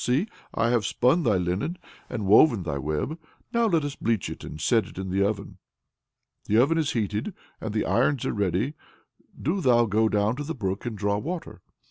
See, I have spun thy linen and woven thy web: now let us bleach it and set it in the oven. The oven is heated and the irons are ready; do thou go down to the brook and draw water."